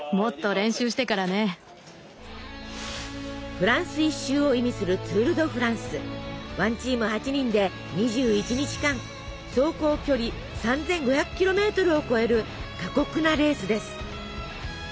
「フランス一周」を意味する１チーム８人で２１日間走行距離３，５００ｋｍを超える過酷なレースです。